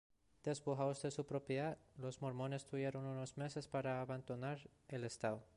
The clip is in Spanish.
Despojados de su propiedad, los mormones tuvieron unos meses para abandonar el estado.